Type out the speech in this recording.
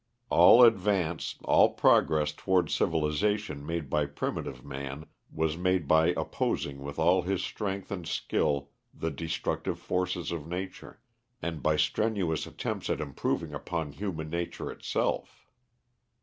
All advance, all progress towards civilisation made by primitive man was made by opposing with all his strength and skill the destructive forces of nature, and by strenuous attempts at improving upon human nature itself.